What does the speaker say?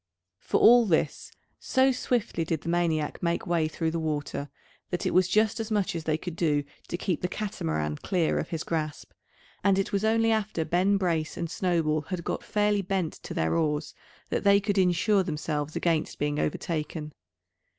For all this, so swiftly did the maniac make way through the water, that it was just as much as they could do to keep the Catamaran clear of his grasp; and it was only after Ben Brace and Snowball had got fairly bent to their oars, that they could insure themselves against being overtaken.